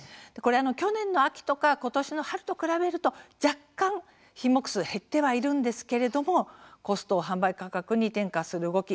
去年の秋とか今年の春と比べると若干、品目数は減ってはいるんですがコストを販売価格に転嫁する動き